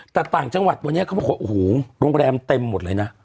แต่ต่างจังหวัดวันนี้เขาบอกว่าโอ้โหโรงแรมเต็มหมดเลยนะ